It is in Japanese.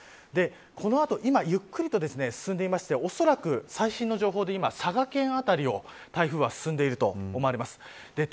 この後今、ゆっくりと進んでいていおそらく最新の情報で今、佐賀県辺りを台風は進んでいると思われます。